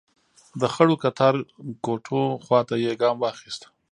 د خړو کتار کوټو خواته يې ګام واخيست.